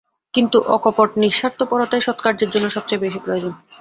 কিন্তু অকপট নিঃস্বার্থপরতাই সৎকার্যের জন্য সবচেয়ে বেশী প্রয়োজন।